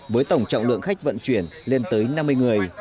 với tổng trọng lượng khách vận chuyển lên tới năm mươi người